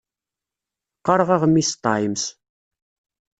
Qqaṛeɣ aɣmis Times.